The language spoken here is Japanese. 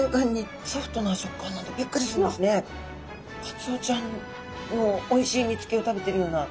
カツオちゃんのおいしいにつけを食べてるような。